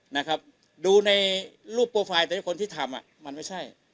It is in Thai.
นะครับดูในรูปโปรไฟล์แต่คนที่ทำอ่ะมันไม่ใช่